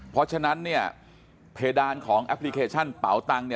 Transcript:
เพราะฉะนั้นเพดานของแอปพลิเคชันเป๋าตังค์